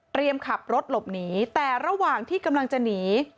ขับรถหลบหนีแต่ระหว่างที่กำลังจะหนี